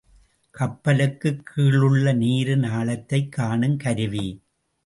கப்பலுக்குக் கீழுள்ள நீரின் ஆழத்தைக் காணும் கருவி.